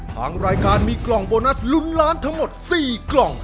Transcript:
ทางรายการมีกล่องโบนัสลุ้นล้านทั้งหมด๔กล่อง